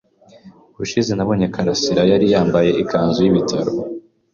Ubushize nabonye Karasirayari yambaye ikanzu y'ibitaro.